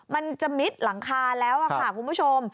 มันจะมิดหลังคาแล้วค่ะคุณผู้ชม